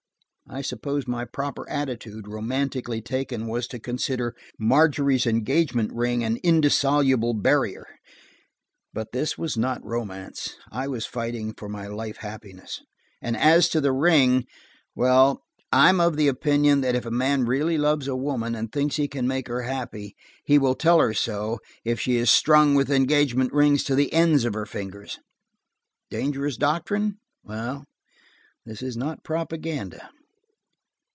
I suppose my proper attitude, romantically taken, was to consider Margery's engagement ring an indissoluble barrier. But this was not romance; I was fighting for my life happiness, and as to the ring–well, I am of the opinion that if a man really loves a woman, and thinks he can make her happy, he will tell her so if she is strung with engagement rings to the ends of her fingers. Dangerous doctrine? Well, this is not propaganda.